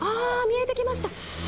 見えてきました。